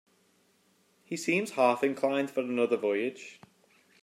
He seems half inclined for another voyage.